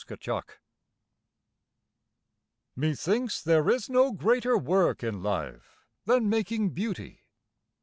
BEAUTY MAKING Methinks there is no greater work in life Than making beauty.